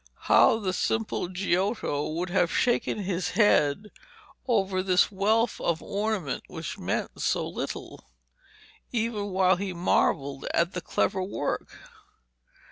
How the simple Giotto would have shaken his head over this wealth of ornament which meant so little, even while he marvelled at the clever work.